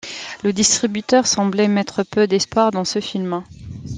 Le distributeur semblait mettre peu d'espoir dans ce film.